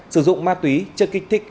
sử dụng ma túy chất kích thích